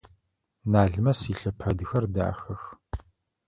Налмэс илъэпэдхэр дахэх.